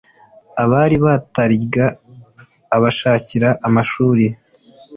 abari batariga abashakira amashuri